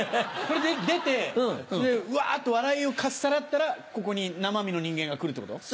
これに出てうわっと笑いをかっさらったらここに生身の人間が来るってこと？